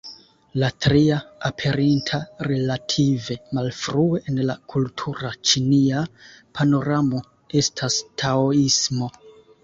La tria, aperinta relative malfrue en la kultura ĉinia panoramo, estas Taoismo.